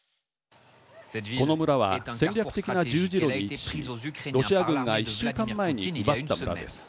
この村は戦略的な十字路に位置しロシア軍が１週間前に奪った村です。